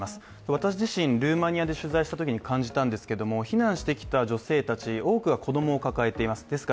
私自身、ルーマニアで取材したときに感じたんですけれども、避難してきた女性たち、多くは子供を抱えています。